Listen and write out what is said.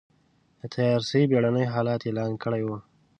د تيارسۍ بېړنی حالت اعلان کړی و.